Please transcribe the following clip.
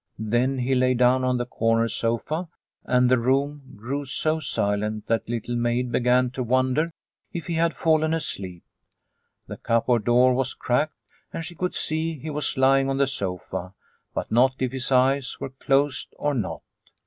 Then he lay down on the corner sofa, and the room grew so silent that Little Maid began to wonder if he had fallen asleep. The cupboard door was cracked and she could see he was lying on the sofa, but not if his eyes were closed or not.